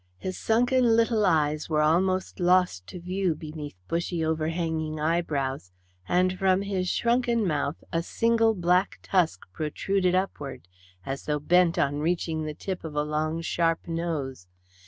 His sunken little eyes were almost lost to view beneath bushy overhanging eyebrows, and from his shrunken mouth a single black tusk protruded upward, as though bent on reaching the tip of a long sharp nose.